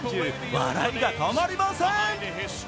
笑いが止まりません。